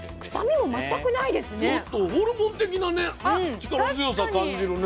力強さ感じるね。